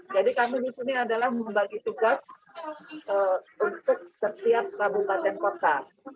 jadi kami di sini adalah membagi tugas untuk setiap kabupaten kota